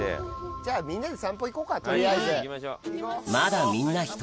じゃあみんなで散歩行こうか取りあえず。